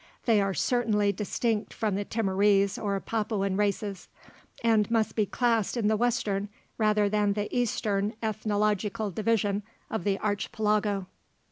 They are certainly distinct from the Timorese or Papuan races, and must be classed in the western rather than the eastern ethnological division of the Archipelago.